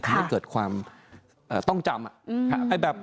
ให้เกิดความต้องจำ